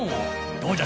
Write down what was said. どうじゃ？